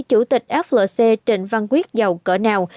chủ tịch flc trịnh văn quyết giàu cỡ nào